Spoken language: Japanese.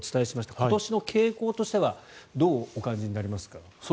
今年の傾向としてはどうお感じになりますか？